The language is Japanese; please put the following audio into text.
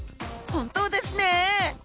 本当ですね！